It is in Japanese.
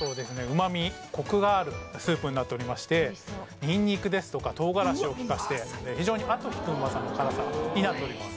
旨味コクがあるスープになっておりましてニンニクですとか唐辛子をきかせて非常に後引くうまさの辛さになっております・